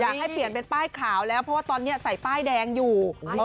ให้เปลี่ยนเป็นป้ายขาวแล้วเพราะว่าตอนนี้ใส่ป้ายแดงอยู่